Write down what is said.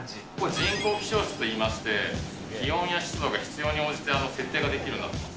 人工気象室といいまして、気温や湿度が必要に応じて設定ができるようになってます。